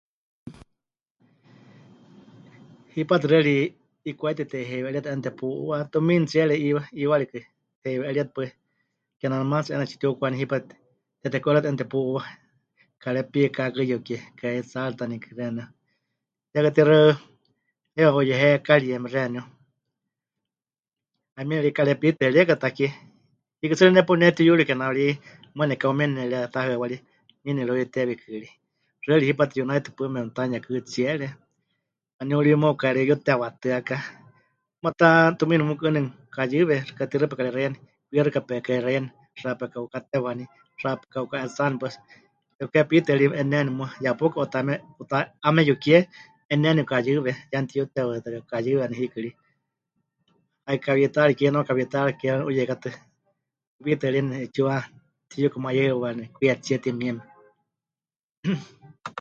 Hipátɨ xɨari 'ikwáite teteheiwe'eríetɨ 'eena tepu'uuwa, tumiini tsiere 'iwa... 'íiwarikakɨ́, teheiwe'erietɨ pues, kename maatsi 'eena tsitiukwaní hipátɨ́ teteku'eriwatɨ 'eena tepu'uuwa, mɨkarepiikákɨ yukie, mɨkahe'itsaaritanikɨ xeeníu, ya katixaɨ heiwa 'uyehekarieme xeeníu, 'ayumieme ri karepitɨaríeka takie, hiikɨ tsɨ ri ne paɨ pɨnetiyuriene kename ri muuwa nekaheumieni nepɨretahɨawarie, nie nemɨreuyeteewikɨ ri, xɨari hipátɨ yunaitɨ paɨ memɨte'anuyekɨ tsiere, waníu ri muuwa pɨkareyutewatɨaka, muuwa ta tumiini mukɨ'ɨni mɨkayɨwe xɨka tixaɨ pekarexeiyani, kwie xɨka pekahexeiyani, xɨka peka'ukátewani, xɨka peka'uka'etsani pues, pɨkahepitɨarieni me'eneni muuwa, ya pauka 'uta'ame 'uta'ame yukie mɨ'eneni pɨkayɨwe, ya mɨtiyutewatɨaka pɨkayɨwe waníu hiikɨ ri, haikawiitaari ke, naukawiitaari ke 'uyeikatɨ pupitɨaríeni 'eetsiwa mɨtiyukumayɨiriwani kwietsie timieme.